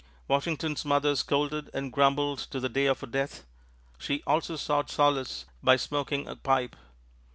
Washington's mother scolded and grumbled to the day of her death. She also sought solace by smoking a pipe.